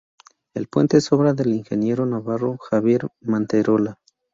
El puente es obra del ingeniero navarro Javier Manterola.